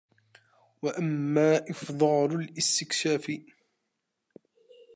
وَأَمَّا إفْضَالُ الِاسْتِكْفَافِ